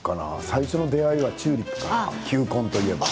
最初の出会いはチューリップかな。